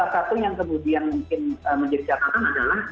artinya salah satu yang kemudian mungkin menjelaskan adalah